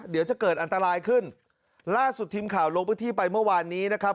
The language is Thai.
เดี๋ยวจะเกิดอันตรายขึ้นล่าสุดทีมข่าวลงพื้นที่ไปเมื่อวานนี้นะครับ